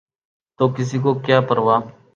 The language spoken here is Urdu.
تو کسی کو کیا پروا؟